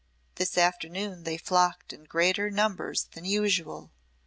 This afternoon they flocked in greater numbers than usual.